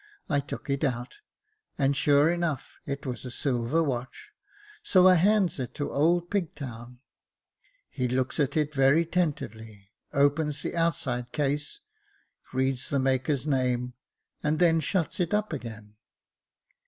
I took it out, and sure enough it was a silver watch. So I hands it to old Pigtown. He looks at it very 'tentively, opens the outside case, reads the maker's name, and then shuts it up again.